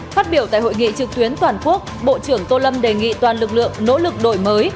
phát biểu tại hội nghị trực tuyến toàn quốc bộ trưởng tô lâm đề nghị toàn lực lượng nỗ lực đổi mới